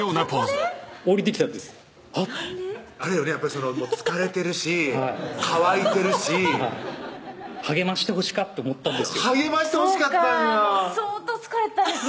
やっぱり疲れてるし渇いてるし励ましてほしかって思ったんです励ましてほしかったんや相当疲れてたんですね